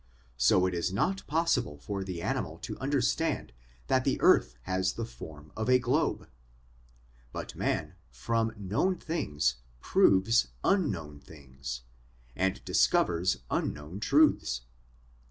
So it is not possible for the animal to understand that the earth has the form of a globe. But man from known things proves unknown things, and discovers unknown truths.